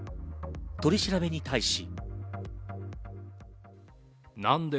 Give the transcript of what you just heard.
取り調べに対し。